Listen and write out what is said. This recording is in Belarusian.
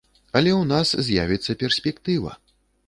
Але ў нас з'явіцца перспектыва.